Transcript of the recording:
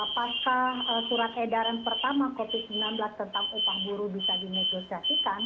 apakah surat edaran pertama covid sembilan belas tentang upah buruh bisa dinegosiasikan